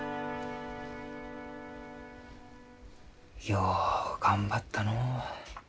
よう頑張ったのう。